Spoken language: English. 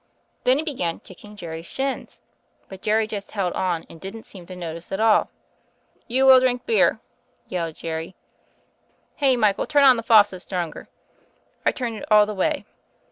'Then he began kicking Jerry's snins, but Jerry just held on and didn't seem to notice at all. *You will drink beer,' yelled Jerry — *Hey, Michael, turn on the faucet stronger.' I turned it all the way.